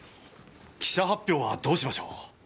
記者発表はどうしましょう？